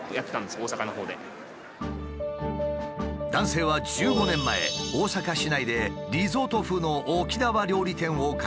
男性は１５年前大阪市内でリゾート風の沖縄料理店を開業。